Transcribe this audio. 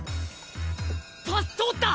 パス通った！